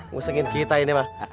musengin kita ini man